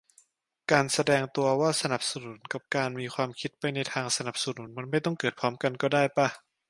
การแสดงตัวว่าสนับสนุน กับการมีความคิดไปในทางสนับสนุน มันไม่ต้องเกิดพร้อมกันก็ได้ป่ะ